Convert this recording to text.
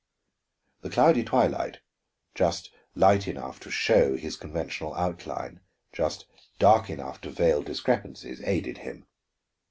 The cloudy twilight, just light enough to show his conventional outline, just dark enough to veil discrepancies, aided him.